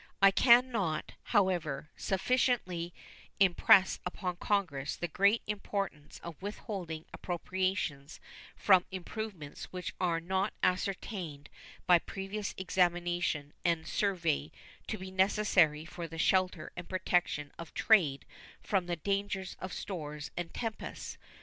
I can not, however, sufficiently impress upon Congress the great importance of withholding appropriations from improvements which are not ascertained by previous examination and survey to be necessary for the shelter and protection of trade from the dangers of stores and tempests.